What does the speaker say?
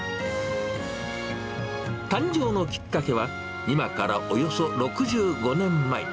誕生のきっかけは、今からおよそ６５年前。